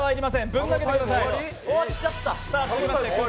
ぶん投げてください。